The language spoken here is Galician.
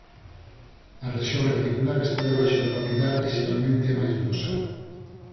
A rexión reticular está debaixo da papilar e xeralmente é máis grosa.